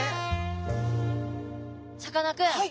さかなクン